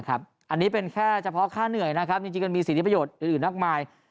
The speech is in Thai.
อันนี้เป็นแค่เฉพาะค่าเหนื่อยนะครับจริงมันมีสิทธิประโยชน์อื่นมากมาย